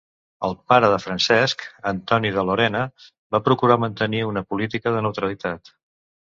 El pare de Francesc, Antoni de Lorena, va procurar mantenir una política de neutralitat.